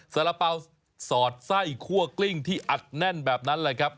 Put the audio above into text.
สาระเป๋าสอดไส้คั่วกลิ้งที่อัดแน่นแบบนั้นแหละครับ